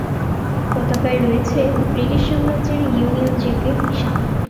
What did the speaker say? পতাকায় রয়েছে ব্রিটিশ সাম্রাজ্যের ইউনিয়ন জ্যাকের নিশান।